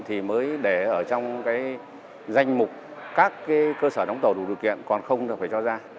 thì mới để ở trong cái danh mục các cái cơ sở đóng tàu đủ điều kiện còn không là phải cho ra